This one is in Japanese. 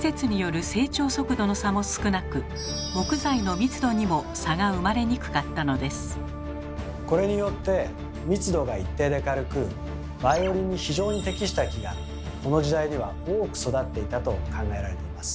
そのためこれによって密度が一定で軽くバイオリンに非常に適した木がこの時代には多く育っていたと考えられています。